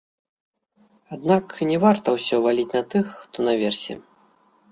Аднак не варта ўсё валіць на тых, хто наверсе.